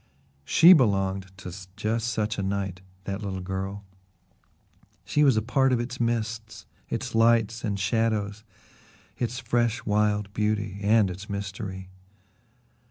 She belonged to just such a night that little girl she was a part of its mists, its lights and shadows, its fresh wild beauty and its mystery.